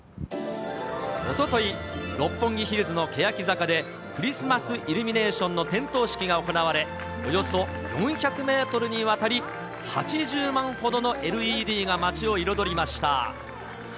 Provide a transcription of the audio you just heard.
おととい、六本木ヒルズのけやき坂で、クリスマスイルミネーションの点灯式が行われ、およそ４００メートルにわたり、８０万ほどのＬＥＤが街を彩りました。